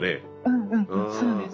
うんうんそうです